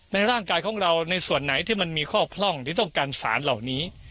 ในร่างกายของเราในส่วนไหนที่มันมีข้อพร่องหรือต้องการสารเหล่านี้